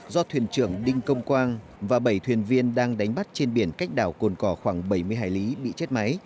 do thuyền trưởng đinh công quang và bảy thuyền viên đang đánh bắt trên biển cách đảo cồn cò khoảng bảy mươi hải lý bị chết máy